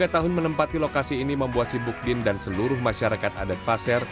enam puluh tiga tahun menempati lokasi ini membuat sibukdin dan seluruh masyarakat adat pasar